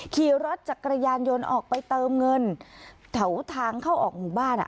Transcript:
ขี่รถจักรยานยนต์ออกไปเติมเงินแถวทางเข้าออกหมู่บ้าน